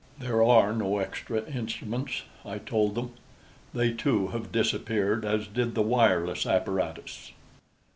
"There are no extra instruments," I told them. "They too have disappeared as did the wireless apparatus."